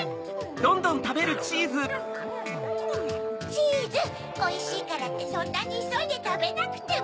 チーズおいしいからってそんなにいそいでたべなくても。